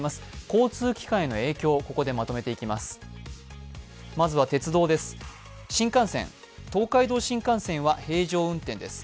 交通機関への影響、ここでまとめていきます。